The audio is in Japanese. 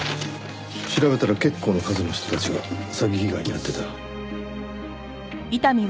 調べたら結構な数の人たちが詐欺被害に遭ってた。